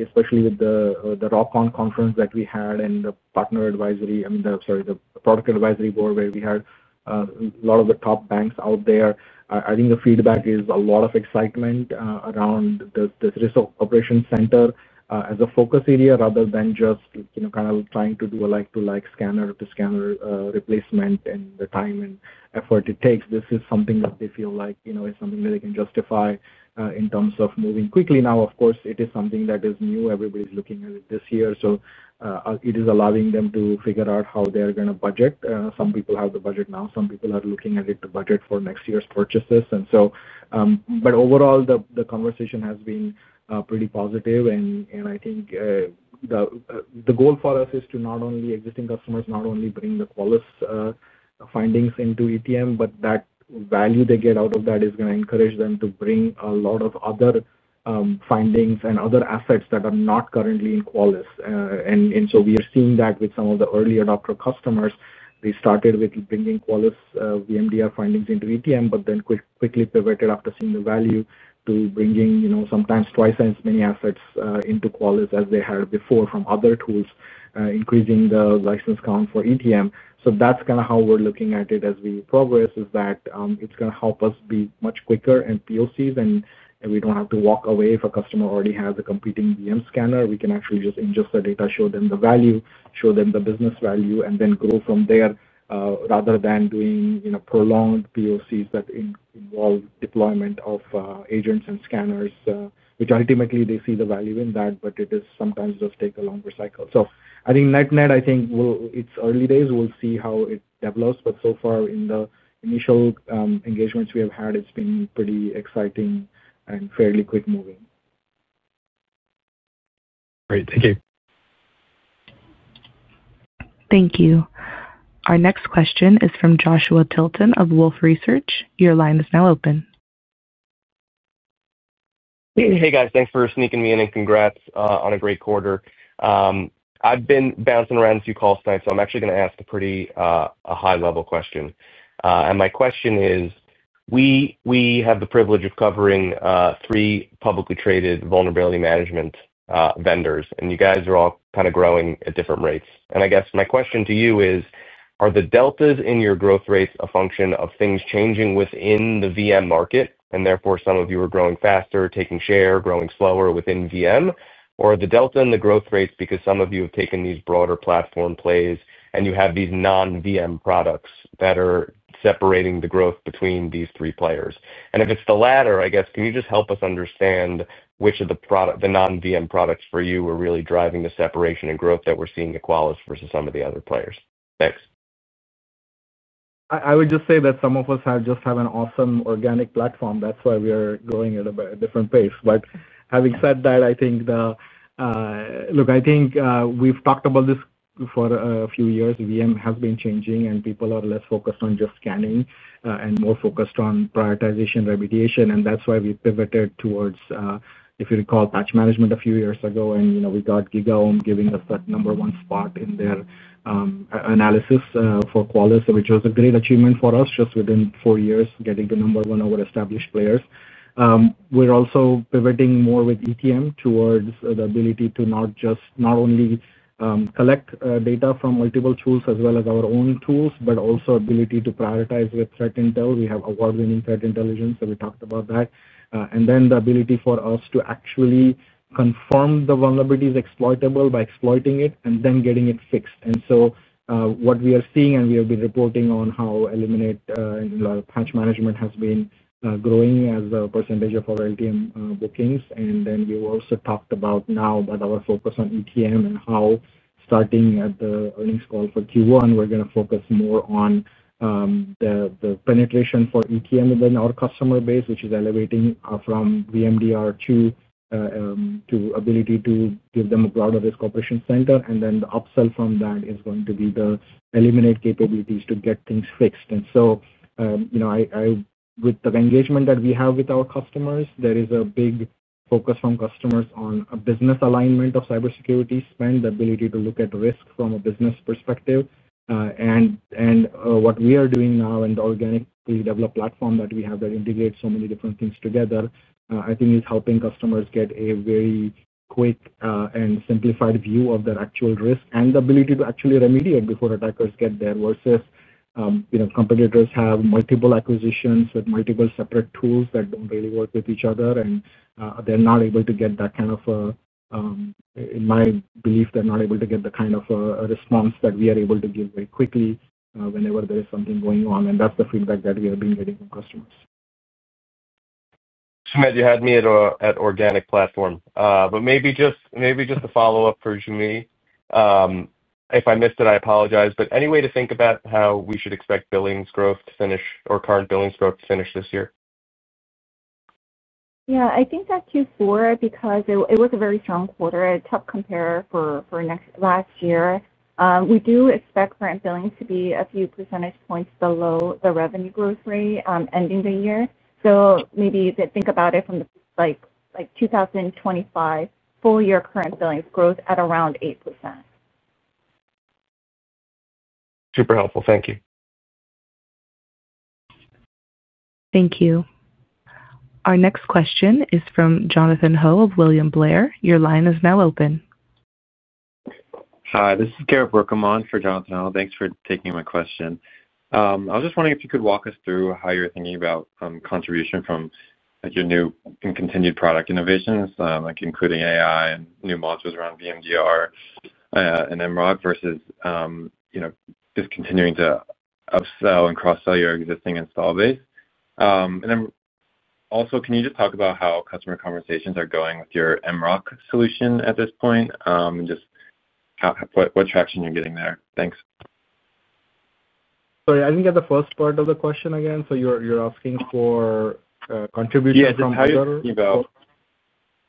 especially with the ROCON conference that we had and the partner advisory—I mean, sorry, the product advisory board where we had a lot of the top banks out there—I think the feedback is a lot of excitement around this Risk Operation Center as a focus area rather than just kind of trying to do a like-to-like scanner to scanner replacement and the time and effort it takes. This is something that they feel like is something that they can justify in terms of moving quickly. Now, of course, it is something that is new. Everybody's looking at it this year. So it is allowing them to figure out how they're going to budget. Some people have the budget now. Some people are looking at it to budget for next year's purchases. And so, but overall, the conversation has been pretty positive. And I think. The goal for us is to not only existing customers not only bring the Qualys findings into ETM, but that value they get out of that is going to encourage them to bring a lot of other. Findings and other assets that are not currently in Qualys. And so we are seeing that with some of the early adopter customers. They started with bringing Qualys VMDR findings into ETM, but then quickly pivoted after seeing the value to bringing sometimes twice as many assets into Qualys as they had before from other tools, increasing the license count for ETM. So that's kind of how we're looking at it as we progress, is that it's going to help us be much quicker and POCs, and we don't have to walk away if a customer already has a competing VM scanner. We can actually just ingest the data, show them the value, show them the business value, and then go from there rather than doing prolonged POCs that involve deployment of agents and scanners, which ultimately they see the value in that, but it is sometimes just take a longer cycle. So I think NetNet, I think it's early days. We'll see how it develops. But so far, in the initial engagements we have had, it's been pretty exciting and fairly quick moving. Great. Thank you. Thank you. Our next question is from Joshua Tilton of Wolfe Research. Your line is now open. Hey, guys. Thanks for sneaking me in and congrats on a great quarter. I've been bouncing around a few calls tonight, so I'm actually going to ask a pretty high-level question. And my question is. We have the privilege of covering three publicly traded vulnerability management vendors, and you guys are all kind of growing at different rates. And I guess my question to you is, are the deltas in your growth rates a function of things changing within the VM market, and therefore some of you are growing faster, taking share, growing slower within VM? Or are the delta in the growth rates because some of you have taken these broader platform plays and you have these non-VM products that are separating the growth between these three players? And if it's the latter, I guess, can you just help us understand which of the non-VM products for you are really driving the separation and growth that we're seeing at Qualys versus some of the other players? Thanks. I would just say that some of us just have an awesome organic platform. That's why we are growing at a different pace. But having said that, I think the. Look, I think we've talked about this for a few years. VM has been changing, and people are less focused on just scanning and more focused on prioritization, remediation. That's why we pivoted towards, if you recall, patch management a few years ago, and we got GigaOm giving us that number one spot in their analysis for Qualys, which was a great achievement for us just within four years, getting to number one over established players. We're also pivoting more with ETM towards the ability to not only collect data from multiple tools as well as our own tools, but also ability to prioritize with threat intel. We have award-winning threat intelligence, so we talked about that. And then the ability for us to actually confirm the vulnerability is exploitable by exploiting it and then getting it fixed. And so what we are seeing, and we have been reporting on how eliminate patch management has been growing as a percentage of our LTM bookings. And then we also talked about now about our focus on ETM and how starting at the earnings call for Q1, we're going to focus more on the penetration for ETM within our customer base, which is elevating from VMDR to ability to give them a broader Risk Operation Center. And then the upsell from that is going to be the eliminate capabilities to get things fixed. And so with the engagement that we have with our customers, there is a big focus from customers on a business alignment of cybersecurity spend, the ability to look at risk from a business perspective. And what we are doing now and the organically developed platform that we have that integrates so many different things together, I think, is helping customers get a very quick and simplified view of their actual risk and the ability to actually remediate before attackers get there versus competitors have multiple acquisitions with multiple separate tools that don't really work with each other, and they're not able to get that kind of response that we are able to give very quickly whenever there is something going on. And that's the feedback that we have been getting from customers. Sumedh, you had me at organic platform. But maybe just a follow-up for Joo Mi. If I missed it, I apologize. But any way to think about how we should expect billings growth to finish or current billings growth to finish this year? Yeah. I think that Q4, because it was a very strong quarter, a tough compare for last year, we do expect current billings to be a few percentage points below the revenue growth rate ending the year. So maybe to think about it from the 2025 full year current billings growth at around 8%. Super helpful. Thank you. Thank you. Our next question is from Jonathan Ho of William Blair. Your line is now open. Hi. This is Garrett Brookman for Jonathan Ho. Thanks for taking my question. I was just wondering if you could walk us through how you're thinking about contribution from your new and continued product innovations, including AI and new modules around VMDR. And our ROC versus just continuing to upsell and cross-sell your existing install base. And also, can you just talk about how customer conversations are going with your our ROC solution at this point and just what traction you're getting there? Thanks. Sorry, I think at the first part of the question again, so you're asking for contribution from other? Yeah.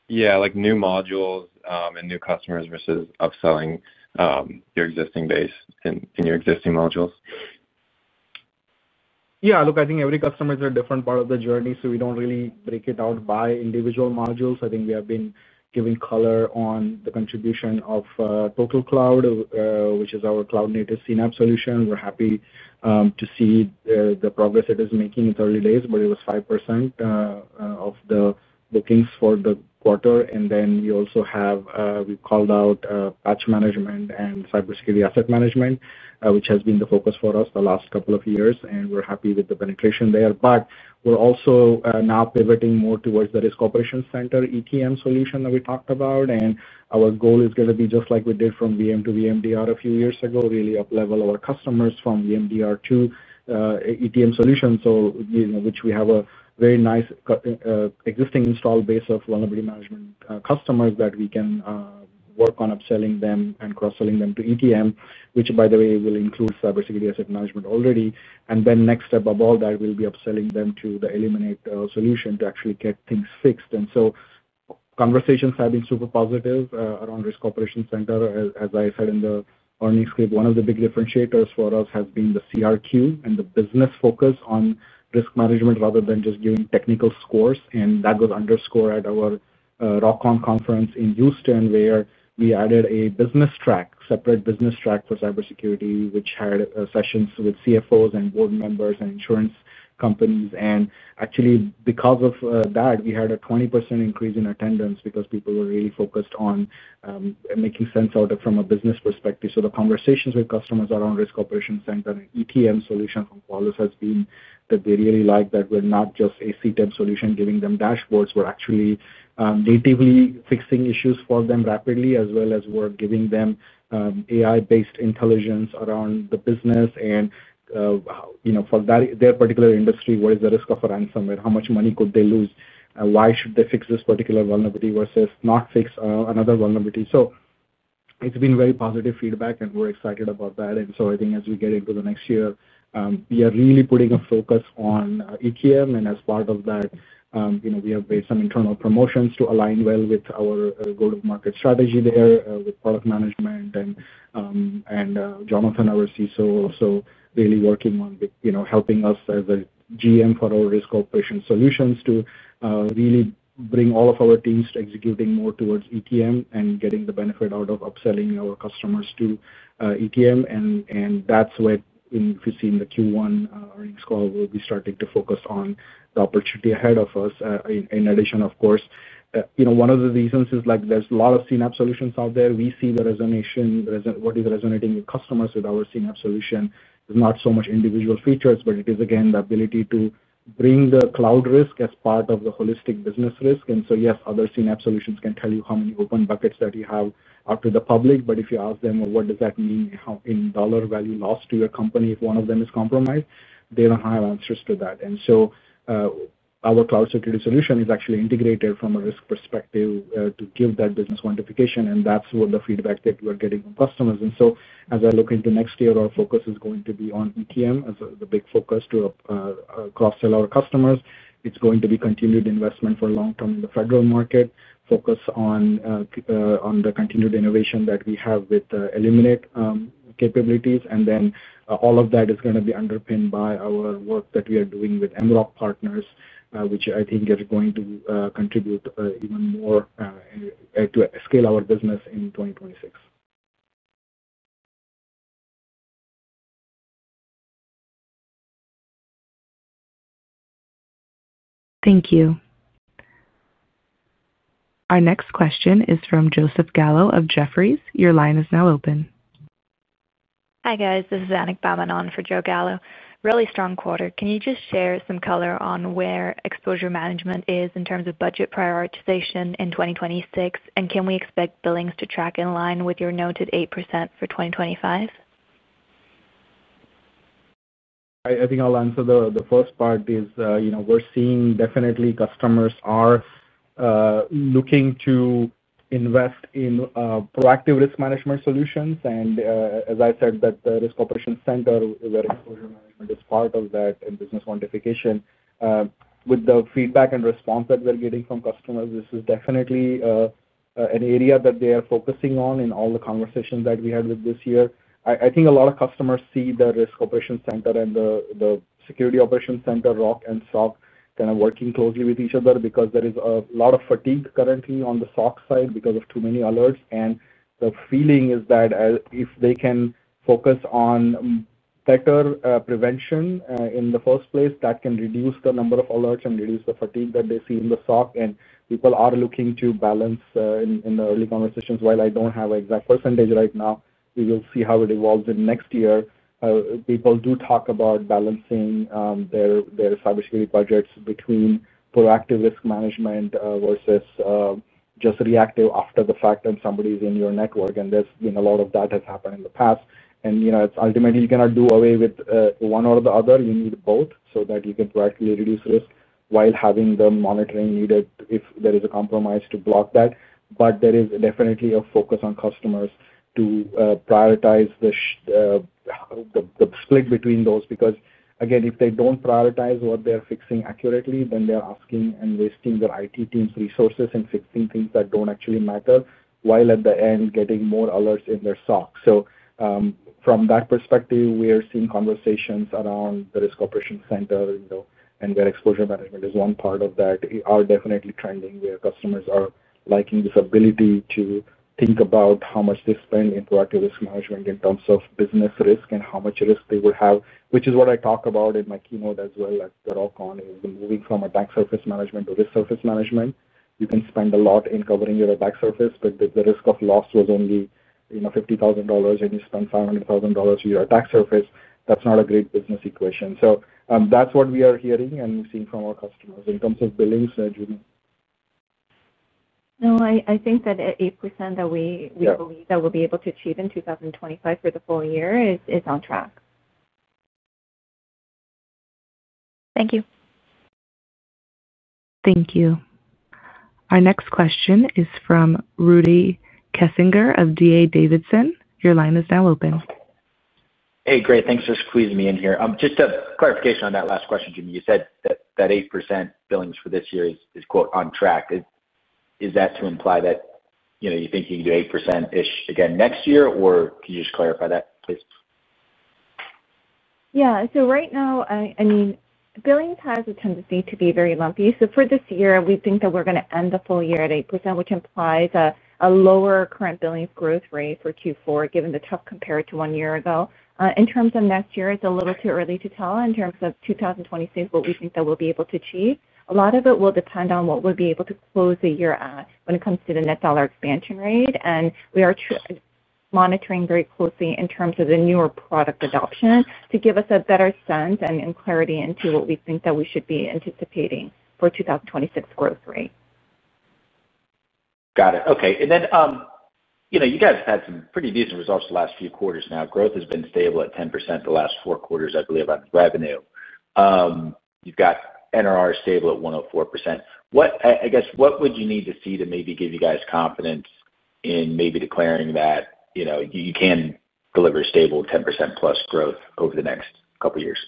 Yeah. Like new modules and new customers versus upselling your existing base and your existing modules? Yeah. Look, I think every customer is a different part of the journey, so we don't really break it out by individual modules. I think we have been giving color on the contribution of TotalCloud, which is our cloud-native CNAPP solution. We're happy to see the progress it is making in the early days, but it was 5% of the bookings for the quarter. And then we've called out patch management and Cybersecurity Asset Management, which has been the focus for us the last couple of years, and we're happy with the penetration there. But we're also now pivoting more towards the Risk Operations Center ETM solution that we talked about. And our goal is going to be just like we did from VM to VMDR a few years ago, really up-level our customers from VMDR to ETM solutions, which we have a very nice existing install base of vulnerability management customers that we can work on upselling them and cross-selling them to ETM, which, by the way, will include Cybersecurity Asset Management already. And then next step of all that will be upselling them to the Eliminate solution to actually get things fixed. And so conversations have been super positive around Risk Operations Center. As I said in the earnings script, one of the big differentiators for us has been the CRQ and the business focus on risk management rather than just giving technical scores. And that was underscored at our ROCON conference in Houston, where we added a business track, separate business track for cybersecurity, which had sessions with CFOs and board members and insurance companies. And actually, because of that, we had a 20% increase in attendance because people were really focused on making sense out of from a business perspective. The conversations with customers around Risk Operations Center and ETM solution from Qualys has been that they really like that we're not just a CTEM solution giving them dashboards. We're actually natively fixing issues for them rapidly, as well as we're giving them AI-based intelligence around the business. And for their particular industry, what is the risk of a ransomware? How much money could they lose? Why should they fix this particular vulnerability versus not fix another vulnerability? So it's been very positive feedback, and we're excited about that. And so I think as we get into the next year, we are really putting a focus on ETM. And as part of that, we have made some internal promotions to align well with our go-to-market strategy there with product management and Jonathan oversees. So really working on helping us as a GM for our risk operation solutions to really bring all of our teams to executing more towards ETM and getting the benefit out of upselling our customers to ETM. And that's what we've seen in the Q1 earnings call. We'll be starting to focus on the opportunity ahead of us. In addition, of course, one of the reasons is there's a lot of CNAPP solutions out there. We see the resonance - what is resonating with customers with our CNAPP solution is not so much individual features, but it is, again, the ability to bring the cloud risk as part of the holistic business risk. And so, yes, other CNAPP solutions can tell you how many open buckets that you have out to the public. But if you ask them, "What does that mean in dollar value loss to your company if one of them is compromised?" They don't have answers to that. And so, our cloud security solution is actually integrated from a risk perspective to give that business quantification. And that's the feedback that we're getting from customers. And so, as I look into next year, our focus is going to be on ETM as the big focus to cross-sell our customers. It's going to be continued investment for long term in the federal market, focus on the continued innovation that we have with the eliminate capabilities. And then all of that is going to be underpinned by our work that we are doing with MSSP partners, which I think is going to contribute even more to escalate our business in 2026. Thank you. Our next question is from Joseph Gallo of Jefferies. Your line is now open. Hi, guys. This is Anik Bamonon for Joe Gallo. Really strong quarter. Can you just share some color on where exposure management is in terms of budget prioritization in 2026? And can we expect billings to track in line with your noted 8% for 2025? I think I'll answer the first part. We're seeing definitely customers are looking to invest in proactive risk management solutions. And as I said, the Risk Operation Center, where exposure management is part of that and business quantification, with the feedback and response that we're getting from customers, this is definitely an area that they are focusing on in all the conversations that we had this year. I think a lot of customers see the Risk Operation Center and the security operation center, ROC and SOC, kind of working closely with each other because there is a lot of fatigue currently on the SOC side because of too many alerts. And the feeling is that if they can focus on. Better prevention in the first place, that can reduce the number of alerts and reduce the fatigue that they see in the SOC. And people are looking to balance in the early conversations. While I don't have an exact percentage right now, we will see how it evolves in next year. People do talk about balancing their cybersecurity budgets between proactive risk management versus just reactive after the fact when somebody is in your network. And a lot of that has happened in the past. And ultimately, you cannot do away with one or the other. You need both so that you can proactively reduce risk while having the monitoring needed if there is a compromise to block that. But there is definitely a focus on customers to prioritize the split between those because, again, if they don't prioritize what they're fixing accurately, then they're asking and wasting their IT team's resources and fixing things that don't actually matter while at the end getting more alerts in their SOC. So from that perspective, we are seeing conversations around the Risk Operation Center and where exposure management is one part of that are definitely trending where customers are liking this ability to think about how much they spend in proactive risk management in terms of business risk and how much risk they would have, which is what I talk about in my keynote as well at ROCON. It's moving from attack surface management to risk surface management. You can spend a lot in covering your attack surface, but if the risk of loss was only $50,000 and you spend $500,000 to your attack surface, that's not a great business equation. So that's what we are hearing and seeing from our customers. In terms of billings. No, I think that 8% that we believe that we'll be able to achieve in 2025 for the full year is on track. Thank you. Thank you. Our next question is from Rudy Kessinger of D.A. Davidson. Your line is now open. Hey, great. Thanks for squeezing me in here. Just a clarification on that last question, Joo Mi. You said that 8% billings for this year is "on track." Is that to imply that you think you can do 8%-ish again next year, or can you just clarify that, please? Yeah. So right now, I mean, billings has a tendency to be very lumpy. So for this year, we think that we're going to end the full year at 8%, which implies a lower current billings growth rate for Q4, given the tough compare to one year ago. In terms of next year, it's a little too early to tell in terms of 2026, what we think that we'll be able to achieve. A lot of it will depend on what we'll be able to close the year at when it comes to the net dollar expansion rate. And we are. Monitoring very closely in terms of the newer product adoption to give us a better sense and clarity into what we think that we should be anticipating for 2026 growth rate. Got it. Okay. And then you guys have had some pretty decent results the last few quarters now. Growth has been stable at 10% the last four quarters, I believe, on revenue. You've got NRR stable at 104%. I guess what would you need to see to maybe give you guys confidence in maybe declaring that you can deliver stable 10%-plus growth over the next couple of years?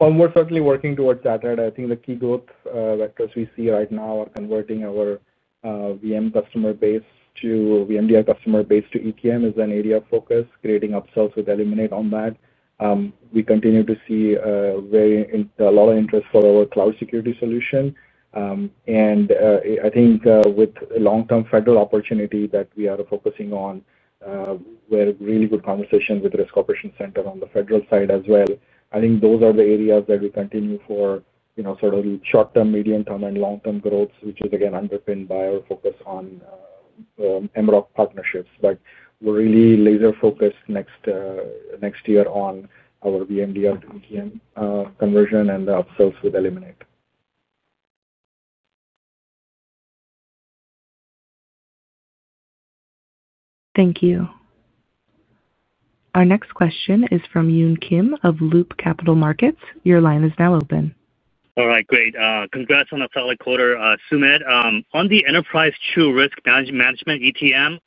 Well, we're certainly working towards that. I think the key growth vectors we see right now are converting our VM customer base to VMDR customer base to ETM is an area of focus, creating upsells with Eliminate on that. We continue to see a lot of interest for our cloud security solution. And I think with long-term federal opportunity that we are focusing on we have really good conversations with the Risk Operations Center on the federal side as well. I think those are the areas that we continue for sort of short-term, medium-term, and long-term growth, which is, again, underpinned by our focus on ROC partnerships. But we're really laser-focused next year on our VMDR to ETM conversion and the upsells with Eliminate. Thank you. Our next question is from Yoon Kim of Loop Capital Markets. Your line is now open. All right. Great. Congrats on a solid quarter, Sumedh. On the Enterprise TruRisk Management ETM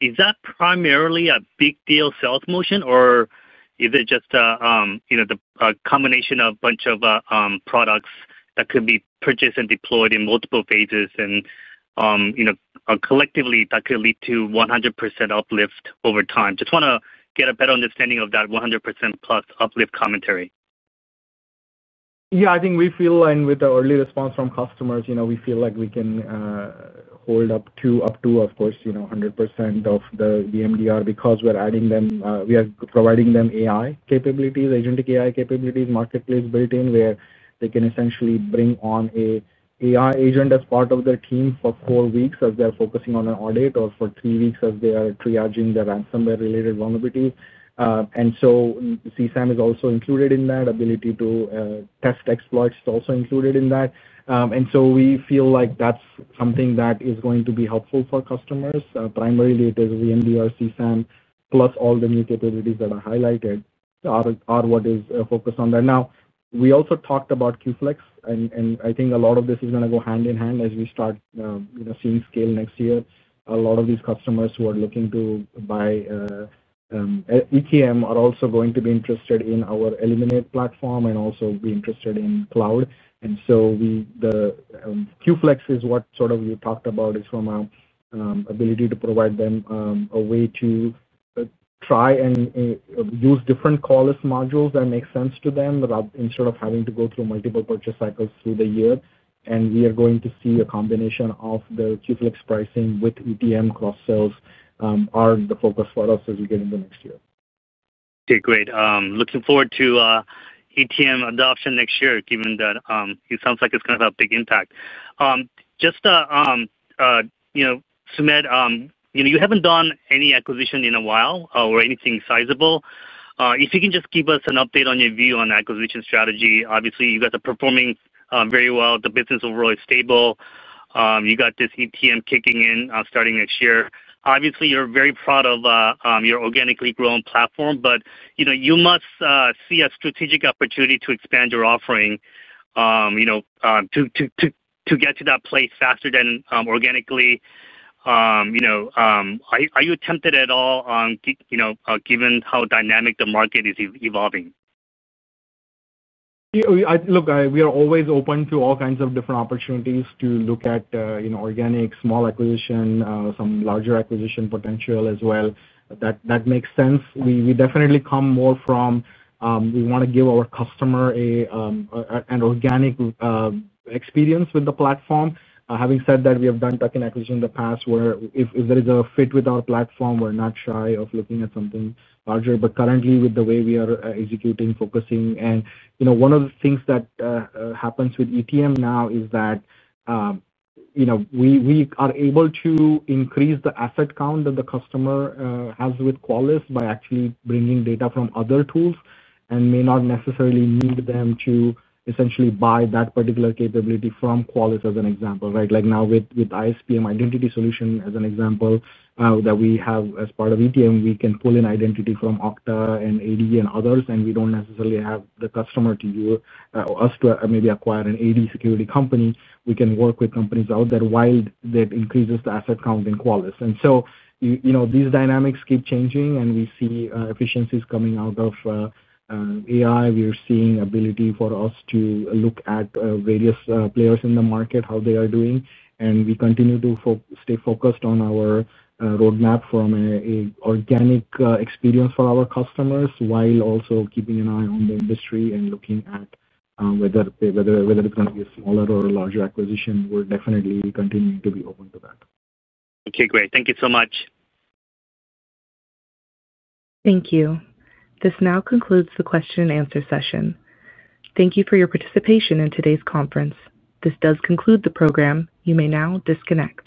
is that primarily a big deal sales motion, or is it just a combination of a bunch of products that could be purchased and deployed in multiple phases and collectively that could lead to 100% uplift over time? Just want to get a better understanding of that 100%-plus uplift commentary. Yeah, I think we feel with the early response from customers, we feel like we can hold up to, of course, 100% of the VMDR because we're adding them, we are providing them AI capabilities, agentic AI capabilities, marketplace built-in where they can essentially bring on an AI agent as part of their team for four weeks as they're focusing on an audit or for three weeks as they are triaging their ransomware-related vulnerabilities. And so CSAM is also included in that. Ability to test exploits is also included in that. And so we feel like that's something that is going to be helpful for customers. Primarily, it is VMDR, CSAM, plus all the new capabilities that are highlighted are what is focused on that. Now, we also talked about QFlex, and I think a lot of this is going to go hand in hand as we start seeing scale next year. A lot of these customers who are looking to buy ETM are also going to be interested in our Eliminate platform and also be interested in cloud. And so. QFlex is what we talked about is from our ability to provide them a way to try and use different Qualys modules that make sense to them instead of having to go through multiple purchase cycles through the year. And we are going to see a combination of the QFlex pricing with ETM cross-sells are the focus for us as we get into next year. Okay. Great. Looking forward to ETM adoption next year, given that it sounds like it's going to have a big impact. Just Sumedh, you haven't done any acquisition in a while or anything sizable. If you can just give us an update on your view on acquisition strategy. Obviously, you guys are performing very well. The business overall is stable. You got this ETM kicking in starting next year. Obviously, you're very proud of your organically grown platform, but you must see a strategic opportunity to expand your offering to get to that place faster than organically. Are you tempted at all given how dynamic the market is evolving? Look, we are always open to all kinds of different opportunities to look at organic small acquisition, some larger acquisition potential as well. That makes sense. We definitely come more from we want to give our customer an organic experience with the platform. Having said that, we have done tuck-in acquisition in the past where if there is a fit with our platform, we're not shy of looking at something larger. But currently, with the way we are executing, focusing, and one of the things that happens with ETM now is that we are able to increase the asset count that the customer has with Qualys by actually bringing data from other tools and may not necessarily need them to essentially buy that particular capability from Qualys as an example, right? Like now with IAM identity solution as an example that we have as part of ETM, we can pull in identity from Okta and AD and others, and we don't necessarily have the customer to us to maybe acquire an AD security company. We can work with companies out there while that increases the asset count in Qualys. And so these dynamics keep changing, and we see efficiencies coming out of AI. We are seeing ability for us to look at various players in the market, how they are doing. And we continue to stay focused on our roadmap from an organic experience for our customers while also keeping an eye on the industry and looking at whether it's going to be a smaller or a larger acquisition. We're definitely continuing to be open to that. Okay. Great. Thank you so much. Thank you. This now concludes the question-and-answer session. Thank you for your participation in today's conference. This does conclude the program. You may now disconnect.